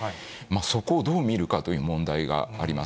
そこをどう見るかという問題があります。